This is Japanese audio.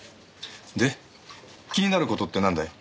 で気になる事ってなんだい？